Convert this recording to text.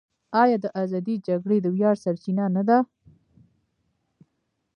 آیا د ازادۍ جګړې د ویاړ سرچینه نه ده؟